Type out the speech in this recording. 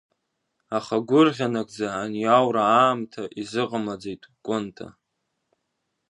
Аха агәырӷьа нагӡа аниаура аамҭа изыҟамлаӡеит Кәынта…